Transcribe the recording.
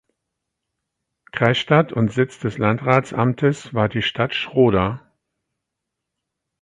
Kreisstadt und Sitz des Landratsamtes war die Stadt Schroda.